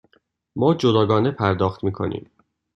ما جداگانه پرداخت می کنیم.